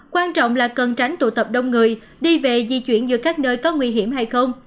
quan trọng là cần tránh tụ tập đông người đi về di chuyển giữa các nơi có nguy hiểm hay không